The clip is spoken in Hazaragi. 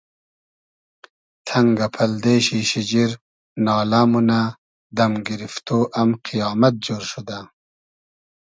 تئنگۂ پئلدې شی شیجیر نالۂ مونۂ دئم گیریفتۉ ام قپامئد جۉر شودۂ